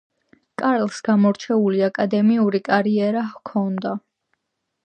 კარლს გამორჩეული აკადემიური კარიერა ჰქონდა.